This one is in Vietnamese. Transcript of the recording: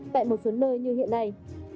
bẹn một xuống nơi như hiện nay